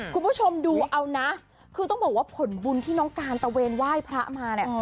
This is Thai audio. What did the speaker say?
คุณผู้ชมดูเอานะคือต้องบอกว่าผลบุญที่น้องการตะเวนไหว้พระมาเนี่ย